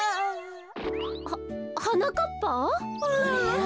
ははなかっぱ？